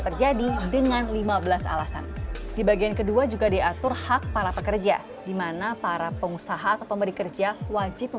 terjadi dengan lima belas alasan di bagian kedua juga diatur hak para pekerja dimana para pengusaha